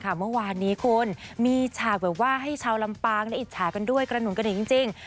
เมื่อวานนี้คุณมีฉากแบบว่าให้ชาวลำปางได้อิจฉากันด้วยกระหนุนกระดิกจริง